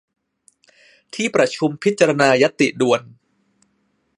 ที่ประชุมพิจารณาญัตติด่วน